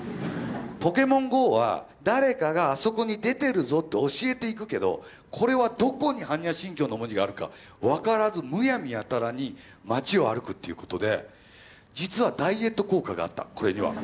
「ポケモンＧＯ」は誰かがあそこに出てるぞって教えていくけどこれはどこに般若心経の文字があるか分からずむやみやたらに町を歩くっていうことで実はダイエット効果があったこれには。